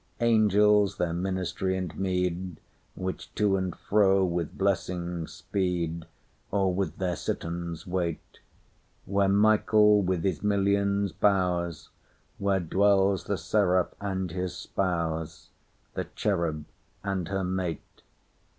Angels—their ministry and meed, Which to and fro with blessings speed, Or with their citterns wait; Where Michael, with his millions, bows, Where dwells the seraph and his spouse, The cherub and her mate.